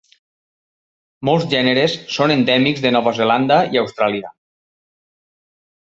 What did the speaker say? Molts gèneres són endèmics de Nova Zelanda i Austràlia.